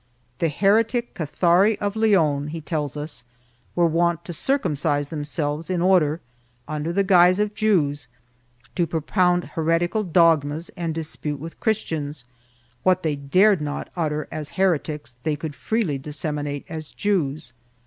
The heretic Cathari of Leon, he tells us, were wont to circumcise themselves in order, under the guise of Jews, to propound heretical dogmas and dispute with Christians; what they dared not utter as heretics they could freely disseminate as Jews.